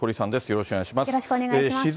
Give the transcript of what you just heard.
よろしくお願いします。